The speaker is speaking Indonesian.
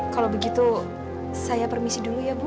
kalau begitu saya permisi dulu ya bu